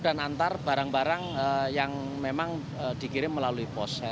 dan antar barang barang yang memang dikirim melalui pos